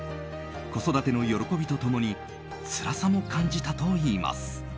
子育ての喜びと共につらさも感じたといいます。